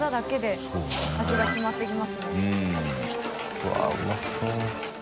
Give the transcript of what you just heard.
うわっうまそう。